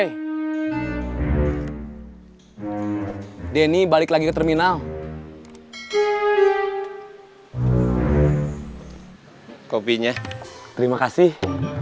hai deni balik lagi ke terminal kopinya terima kasih